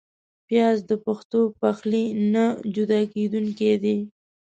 پیاز د پښتو پخلي نه جدا کېدونکی دی